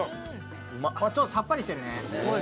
ちょっとさっぱりしてるね。